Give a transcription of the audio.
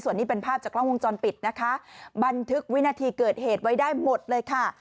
ส่วนนี้เป็นภาพจากกล้องวงจรปิดนะคะบันทึกวินาทีเกิดเหตุไว้ได้หมดเลยค่ะ